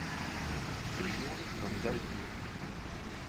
Séjourne dans les Alpilles.